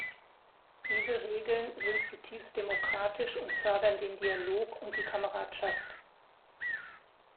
Diese Regeln sind zutiefst demokratisch und fördern den Dialog und die Kameradschaft.